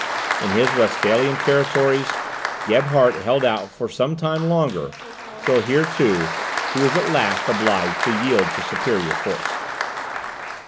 In his Westphalian territories, Gebhard held out for some time longer, till here, too, he was at last obliged to yield to superior force.